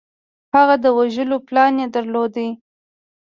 هغه د وژلو پلان یې درلود